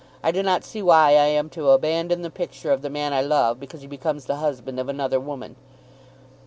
I do not see why I am to abandon the picture of the man I love because he becomes the husband of another woman.